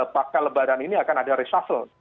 apakah lebaran ini akan ada reshuffle